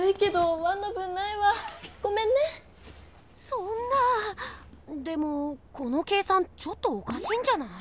そんなでもこの計算ちょっとおかしいんじゃない？